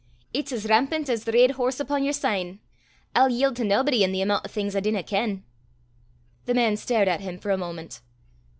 It's as rampant as the reid horse upo' your sign! I'll yield to naebody i' the amoont o' things I dinna ken!" The man stared at him for a moment.